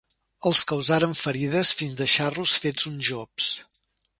Els causaren ferides fins deixar-los fets uns jobs.